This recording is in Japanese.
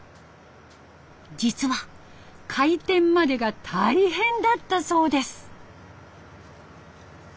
実は開店までが大変だったそうです。